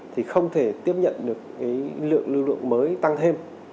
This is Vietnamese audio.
thì không thể tiếp nhận được cái lượng lưu lượng mới tăng thêm